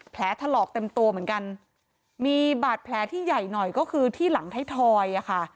แผลถลอกเต็มตัวเหมือนกันมีบาดแผลที่ใหญ่หน่อยก็คือที่หลังไทยทอยอ่ะค่ะ